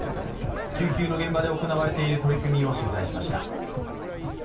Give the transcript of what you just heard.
救急の現場で行われている取り組みを取材しました。